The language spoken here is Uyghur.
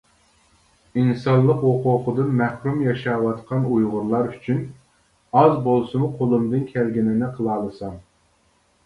ئىنسانلىق ھوقۇقىدىن مەھرۇم ياشاۋاتقان ئۇيغۇرلار ئۈچۈن ئاز بولسىمۇ قولۇمدىن كەلگىنىنى قىلالىسام.